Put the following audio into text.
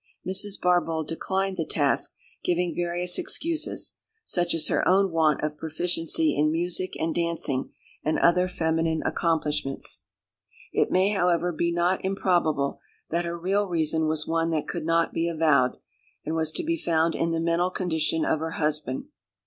Mrs. Barbauld declined the task, giving various excuses, such as her own want of proficiency in music and dancing, and other feminine accomplishments. It may, however, be not improbable that her real reason was one that could not be avowed, and was to be found in the mental condition of her husband.